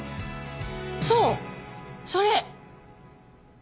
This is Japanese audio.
そうそれ！